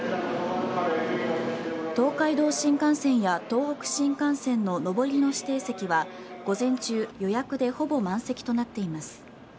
東海道新幹線や東北新幹線の上りの指定席は午前中予約でほぼ満席となっています。